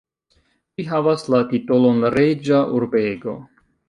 Ĝi havas la titolon reĝa urbego.